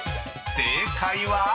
［正解は？］